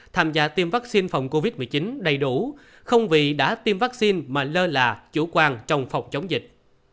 tham gia tiêm vaccine phòng covid một mươi chín đầy đủ không vì đã tiêm vaccine mà lơ là chủ quan trong phòng chống dịch